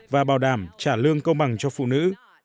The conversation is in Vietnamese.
và bảo đảm trả lương công bằng cho phụ nữ